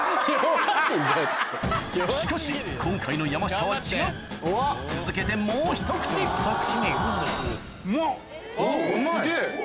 しかし今回の山下は違う続けてもうひと口すげぇ。